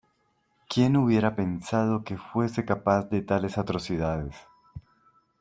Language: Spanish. ¿ Quién hubiera pensado que fuese capaz de tales atrocidades?